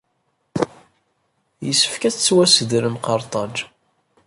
Yessefk ad tettwassedrem Qerṭaj.